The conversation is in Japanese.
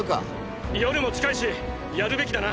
夜も近いしやるべきだな！！